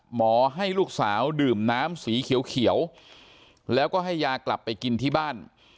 หมอให้ลูกสาวดื่มน้ำสีเขียวแล้วก็ให้ยากลับไปกินที่บ้าน